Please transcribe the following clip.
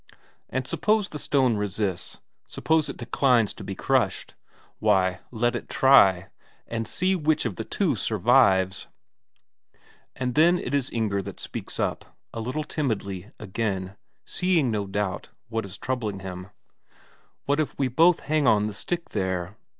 And suppose the stone resists, suppose it declines to be crushed? Why, let it try and see which of the two survives! But then it is that Inger speaks up, a little timidly, again; seeing, no doubt, what is troubling him: "What if we both hang on the stick there?"